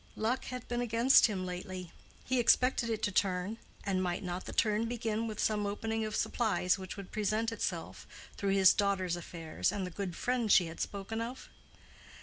Luck had been against him lately; he expected it to turn—and might not the turn begin with some opening of supplies which would present itself through his daughter's affairs and the good friends she had spoken of?